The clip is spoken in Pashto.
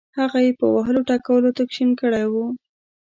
هغه یې په وهلو ټکولو تک شین کړی وو.